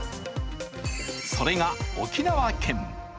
それが、沖縄県。